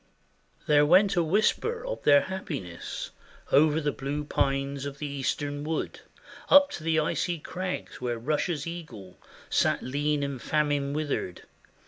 157 RUSSIA There went a whisper of their happiness Over the blue pines of the eastern woods, Up to the icy crags where Russia's eagle Sat lean and famine withered.